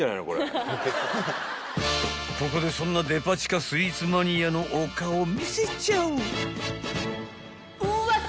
［ここでそんなデパ地下スイーツマニアのお顔を見せちゃう］